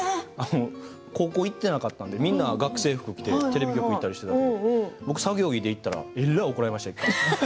高校、行っていなかったのでみんなは学生服着て行っていたけど僕、作業着で行ったらえらい怒られました。